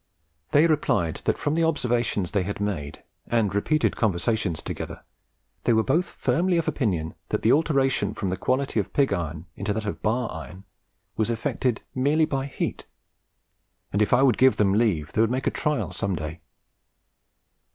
They replied that from the observations they had made, and repeated conversations together, they were both firmly of opinion that the alteration from the quality of pig iron into that of bar iron was effected merely by heat, and if I would give them leave, they would make a trial some day.